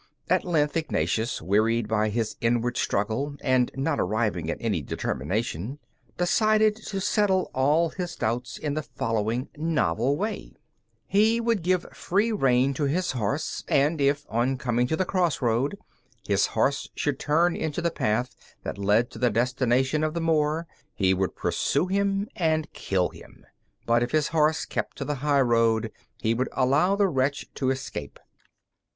At length, Ignatius, wearied by his inward struggle and not arriving at any determination, decided to settle all his doubts in the following novel way: he would give free rein to his horse, and if, on coming to the cross road, his horse should turn into the path that led to the destination of the Moor, he would pursue him and kill him; but if his horse kept to the highroad he would allow the wretch to escape.